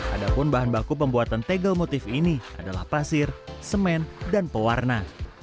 ada pun bahan baku pembuatan tegel motif ini adalah pasir semen dan pewarna